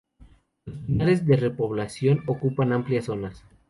Los pinares de repoblación ocupan amplias zonas.